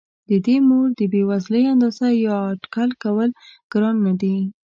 د دې مور د بې وزلۍ اندازه یا اټکل لګول ګران نه دي.